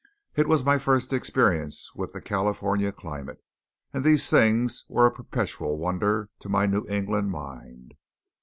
It was my first experience with the California climate, and these things were a perpetual wonder to my New England mind.